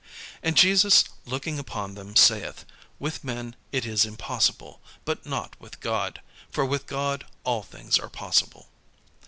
And Jesus looking upon them saith, "With men it is impossible, but not with God: for with God all things are possible."